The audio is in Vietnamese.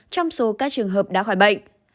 trong số các trường hợp đã khỏi bệnh